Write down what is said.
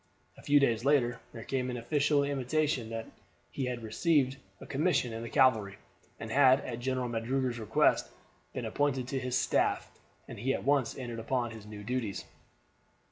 A few days later there came an official intimation that he had received a commission in the cavalry, and had at General Magruder's request been appointed to his staff, and he at once entered upon his new duties.